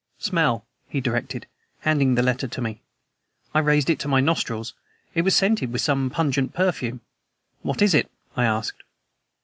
"Smell!" he directed, handing the letter to me. I raised it to my nostrils. It was scented with some pungent perfume. "What is it?" I asked.